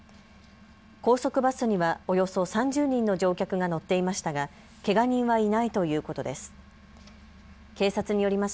高速バスにはおよそ３０人の乗客が乗っていましたがけが人はいないということです。